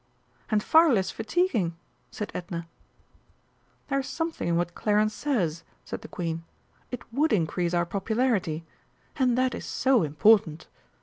"And far less fatiguing," said Edna. "There's something in what Clarence says," said the Queen. "It would increase our popularity and that is so important.